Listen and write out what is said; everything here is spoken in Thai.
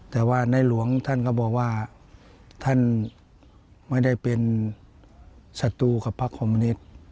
แต่ว่าในหลวงท่านก็บอกว่าท่านไม่ได้เป็นศัตรูกับพระคอมมนิต